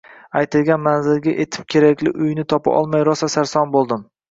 Aytilgan manzilga etib kerakli uyni topa olmay rosa sarson bo`ldim